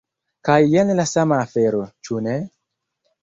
Kaj jen la sama afero, ĉu ne?